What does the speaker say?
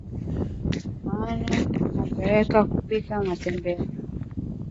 namna ya unavyoweza kupika matembele